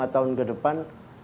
lima tahun ke depan